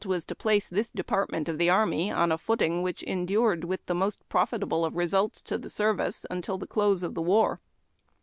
was to place this department of the army on a footing whicli endured, with tlie most profitable of results to the service, till the close of the war.